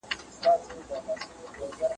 ټولنه بدلون غواړي.